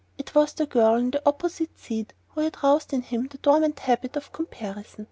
It was the girl in the opposite seat who had roused in him the dormant habit of comparison.